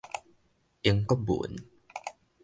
英國文